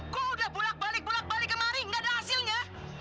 kok udah bulat balik bulat balik kemarin gak ada hasilnya